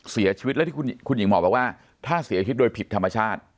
เสียชีวิตแล้วที่คุณหญิงหมอบอกว่าถ้าเสียชีวิตโดยผิดธรรมชาติ